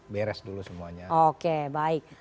beres dulu semuanya oke baik